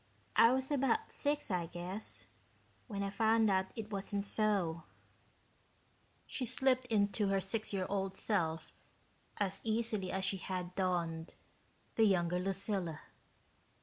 I was about six, I guess, when I found out it wasn't so." She slipped into her six year old self as easily as she had donned the younger Lucilla.